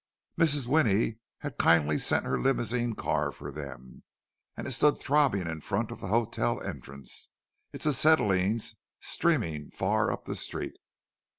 Mrs. Winnie had kindly sent her limousine car for them, and it stood throbbing in front of the hotel entrance, its acetylenes streaming far up the street.